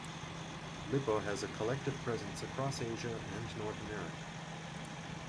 Lippo has a collective presence across Asia and North America.